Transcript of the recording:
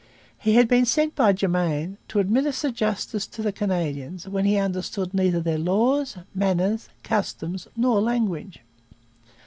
He had been sent by Germain 'to administer justice to the Canadians when he understands neither their laws, manners, customs, nor language.'